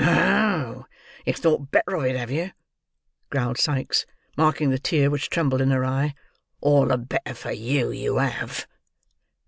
"Oh! you've thought better of it, have you?" growled Sikes, marking the tear which trembled in her eye. "All the better for you, you have."